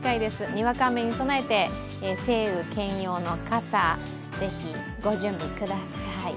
にわか雨に備えて晴雨兼用の傘、ぜひご準備ください。